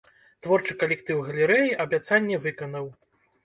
Творчы калектыў галерэі абяцанне выканаў.